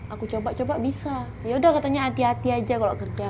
aku coba coba bisa yaudah katanya hati hati aja kalau kerja